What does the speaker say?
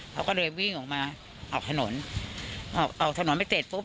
เขาก็เลยวิ่งออกมาออกถนนออกออกถนนไปเสร็จปุ๊บ